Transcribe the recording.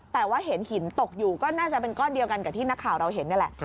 แต่ว่าเห็นหินตกอยู่ก็น่าจะเป็นก้อนเดียวกันกับที่นักข่าวเราเห็นนี่แหละ